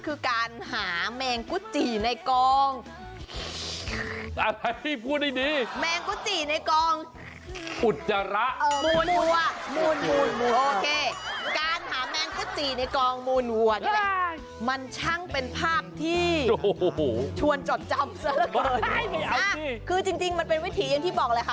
คือจริงมันเป็นวิธีอย่างที่บอกเลยค่ะ